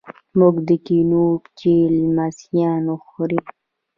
موږ کینوو چې لمسیان وخوري.